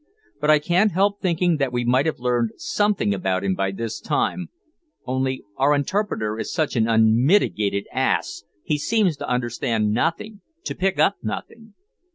But I can't help thinking that we might have learned something about him by this time, only our interpreter is such an unmitigated ass, he seems to understand nothing to pick up nothing."